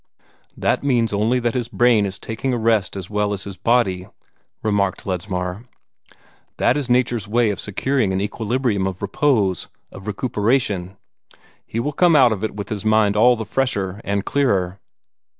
"That means only that his brain is taking a rest as well as his body," remarked Ledsmar. "That is Nature's way of securing an equilibrium of repose of recuperation. He will come out of it with his mind all the fresher and clearer."